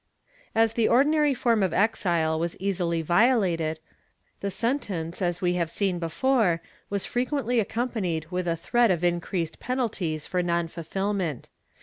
As the ordinary form of exile was easily violated, the sentence, as we have seen above, was frequently accompanied with a threat of increased penalties for non fulfilment.